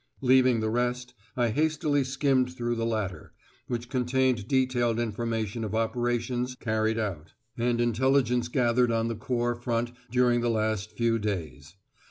Leaving the rest, I hastily skimmed through the latter, which contained detailed information of operations carried out, and intelligence gathered on the corps front during the last few days.